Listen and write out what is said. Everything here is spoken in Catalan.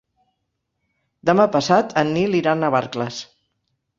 Demà passat en Nil irà a Navarcles.